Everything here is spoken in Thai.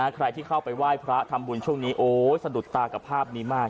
ใครที่เข้าไปไหว้พระทำบุญช่วงนี้โอ้ยสะดุดตากับภาพนี้มาก